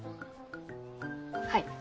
はい。